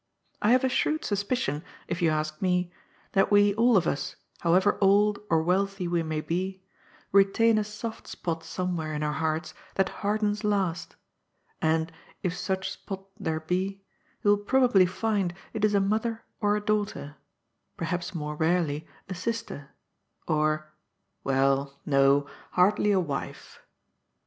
I have a shrewd suspi cion, if you ask me, that we all of us, however old or wealthy we may be, retain a soft spot somewhere in our hearts that hardens last; and, if such spot there be, you will probably find it is a mother or a daughter — ^perhaps, more rarely, a sister or — ^well, no, hardly a wife.